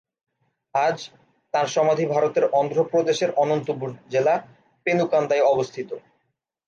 আজ, তাঁর সমাধি ভারতের অন্ধ্র প্রদেশের অনন্তপুর জেলা, পেনুকান্দায় অবস্থিত।